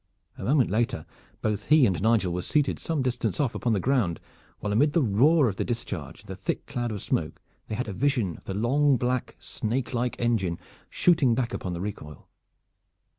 A moment later both he and Nigel were seated some distance off upon the ground while amid the roar of the discharge and the thick cloud of smoke they had a vision of the long black snakelike engine shooting back upon the recoil.